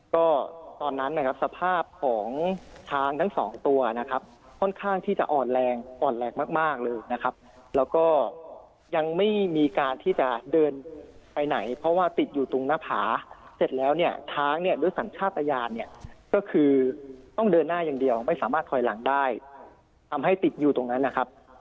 ก็ตอนนั้นนะครับสภาพของช้างทั้งสองตัวนะครับค่อนข้างที่จะอ่อนแรงอ่อนแรงมากมากเลยนะครับแล้วก็ยังไม่มีการที่จะเดินไปไหนเพราะว่าติดอยู่ตรงหน้าผาเสร็จแล้วเนี่ยช้างเนี่ยหรือสัญชาติยานเนี่ยก็คือต้องเดินหน้าอย่างเดียวไม่สามารถถอยหลังได้ทำให้ติดอยู่ตรงนั้นนะครับ